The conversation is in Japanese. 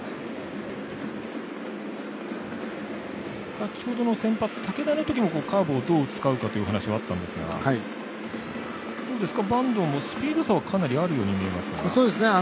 先ほどの先発、武田のときもカーブをどう使うかというお話はあったんですが板東もスピード差はかなりあると思うんですが。